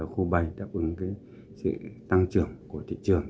khu bay đáp ứng sự tăng trưởng của thị trường